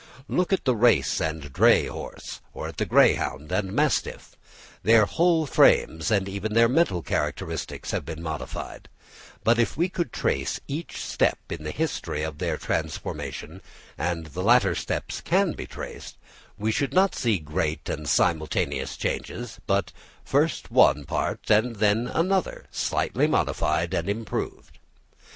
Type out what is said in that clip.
Look at the race and dray horse, or at the greyhound and mastiff. Their whole frames, and even their mental characteristics, have been modified; but if we could trace each step in the history of their transformation—and the latter steps can be traced—we should not see great and simultaneous changes, but first one part and then another slightly modified and improved.